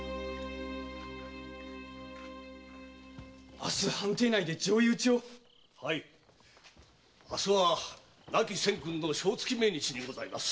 明日藩邸内で上意討ちを⁉はい明日は亡き先君の祥月命日にございます。